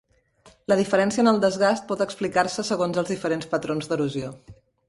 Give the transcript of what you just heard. La diferència en el desgast pot explicar-se segons els diferents patrons d'erosió.